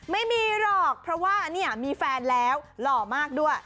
ไม่มีหรอกเพราะว่าเนี่ยมีแฟนแล้วหล่อมากด้วย